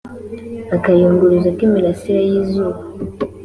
akayunguruzo k imirasire y izuba